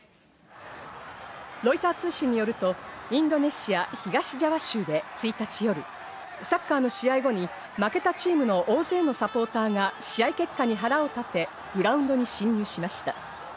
ロイター通信によると、インドネシア東ジャワ州で１日夜、サッカーの試合後に、負けたチームの大勢のサポーターが試合結果に腹を立て、グラウンドに侵入しました。